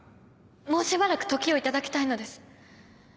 もうしばらく時を頂きたいのです。